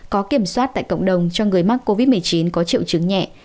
có kiểm soát tại cộng đồng cho người mắc covid một mươi chín có triệu chứng nhẹ